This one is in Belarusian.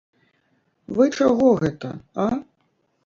Вы чаго гэта, а?